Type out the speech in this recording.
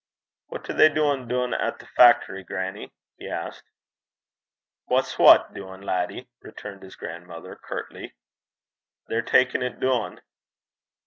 'What are they duin' doon at the fact'ry, grannie?' he asked. 'What's wha duin', laddie?' returned his grandmother, curtly. 'They're takin' 't doon.'